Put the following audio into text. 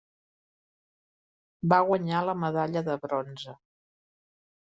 Va guanyar la medalla de bronze.